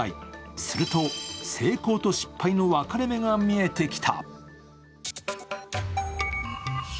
すると成功と失敗の分かれ目が見えてきた。